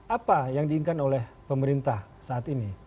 apa yang diinginkan oleh pemerintah saat ini